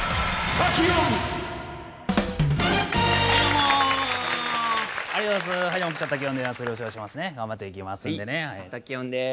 滝音です。